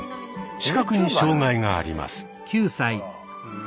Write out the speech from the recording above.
視覚に障害があります。